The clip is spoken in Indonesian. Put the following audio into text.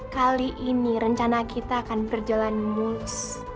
kali ini rencana kita akan berjalan mulus